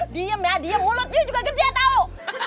diam ya mulutnya juga gede tau